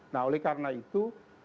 nah oleh karena itu